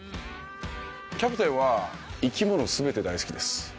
キャプテンは生き物全て大好きです。